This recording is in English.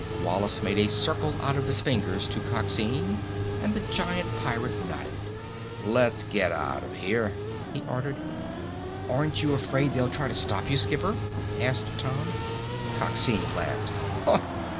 Wallace made a circle out of his fingers to Coxine and the giant pirate nodded. "Let's get out of here!" he ordered. "Aren't you afraid they'll try to stop you, skipper?" asked Tom. Coxine laughed.